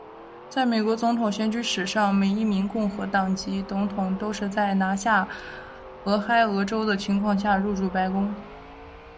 在美国总统选举史上每一名共和党籍总统都是在拿下俄亥俄州的情况下入主白宫。